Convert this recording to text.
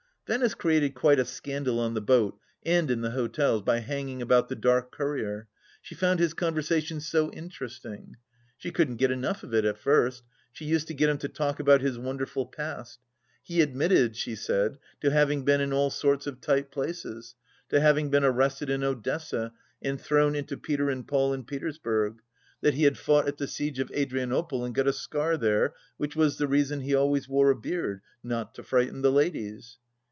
Venice created quite a scandal on the joat and in the hotels by hanging about the dark courier. She found his conversation so interesting. She couldn't get enough of it at first. She used to get him to talk about his wonderful past. He admitted, she said, to having been in all sorts of tight places ; to having been arrested in Odessa, and thrown into Peter and Paul in Petersburg ; that he had fought at the siege of Adrianople, and got a scar there, which was the reason he always wore a beard —" not to frighten the ladies."